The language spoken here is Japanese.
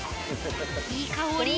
いい香り。